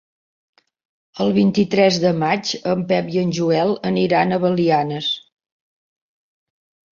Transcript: El vint-i-tres de maig en Pep i en Joel aniran a Belianes.